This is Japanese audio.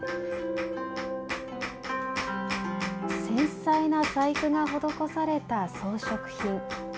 繊細な細工が施された装飾品。